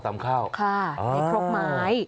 ค่ะในครบหมาย